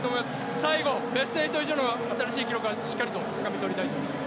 最後、ベスト８以上の新しい記録はしっかりとつかみ取りたいと思います。